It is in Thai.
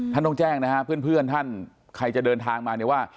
ท่านต้องแจ้งนะฮะเพื่อนท่านใครจะเดินทางมาเนี่ยว่า